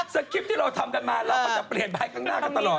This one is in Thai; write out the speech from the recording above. คริปต์ที่เราทำกันมาเราก็จะเปลี่ยนไปข้างหน้ากันตลอด